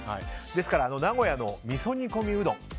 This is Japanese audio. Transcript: ですから、名古屋のみそ煮込みうどん。